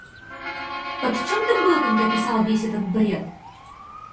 Под чем ты был, когда писал весь этот бред?